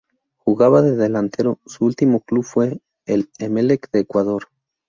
Jugaba de delantero, su último club fue el Emelec de Ecuador.